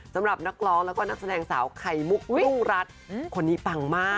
สำหรับนักร้องแล้วก็นักแสดงสาวไข่มุกรุงรัฐคนนี้ปังมาก